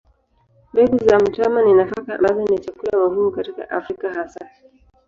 Mbegu za mtama ni nafaka ambazo ni chakula muhimu katika Afrika hasa.